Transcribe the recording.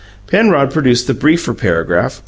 Penrod produced the briefer paragraph.